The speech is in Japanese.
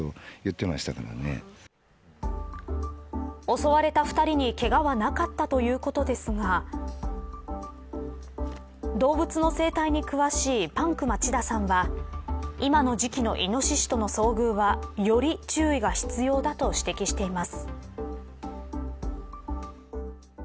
襲われた２人にけがはなかったということですが動物の生態に詳しいパンク町田さんは今の時期のイノシシとの遭遇はより注意が必要だと指摘しています。